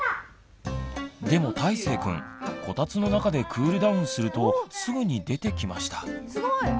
でもたいせいくんこたつの中でクールダウンするとすぐに出てきました。